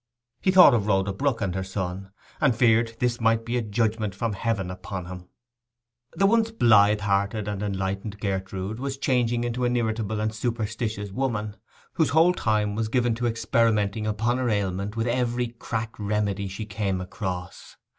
He thought of Rhoda Brook and her son; and feared this might be a judgment from heaven upon him. The once blithe hearted and enlightened Gertrude was changing into an irritable, superstitious woman, whose whole time was given to experimenting upon her ailment with every quack remedy she came across.